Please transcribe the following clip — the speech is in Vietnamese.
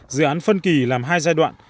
dự án phân kỳ làm hai giai đoạn